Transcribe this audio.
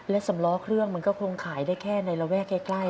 และสำล้อเครื่องมันก็คงขายได้แค่ในระแวกใกล้